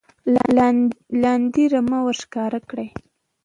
لاندې رمه ور ښکاره کړي